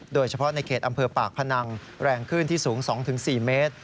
โดยเฉพาะในเขตอำเภอปากพนังแรงขึ้นที่สูง๒๔เมตร